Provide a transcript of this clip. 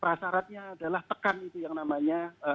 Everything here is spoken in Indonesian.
prasaratnya adalah tekan itu yang namanya